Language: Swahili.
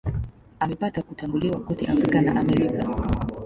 Amepata kutambuliwa kote Afrika na Amerika.